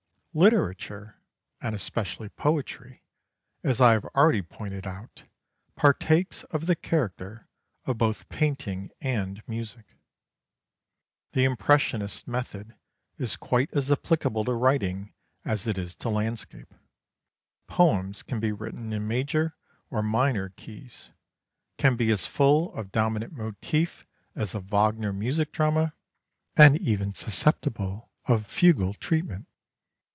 Literature, and especially poetry, as I have already pointed out, partakes of the character of both painting and music. The impressionist method is quite as applicable to writing as it is to landscape. Poems can be written in major or minor keys, can be as full of dominant motif as a Wagner music drama, and even susceptible of fugal treatment.